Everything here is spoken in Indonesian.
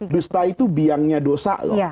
dusta itu biangnya dosa loh